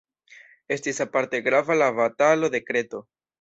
Estis aparte grava la Batalo de Kreto.